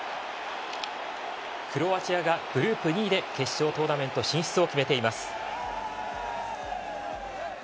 クロアチアがグループ２位で決勝トーナメント進出を決めています。